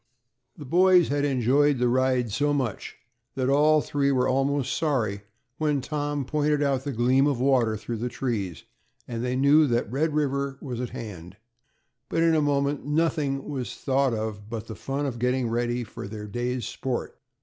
The boys had enjoyed the ride so much, that all three were almost sorry when Tom pointed out the gleam of water through the trees, and they knew that Red River was at hand; but in a moment nothing was thought of but the fun of getting ready for their day's sport.